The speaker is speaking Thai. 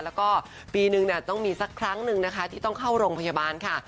แล้วก็ปีนึงต้องมีสักครั้งหนึ่งนะคะที่ต้องเข้าโรงพยาบาลค่ะ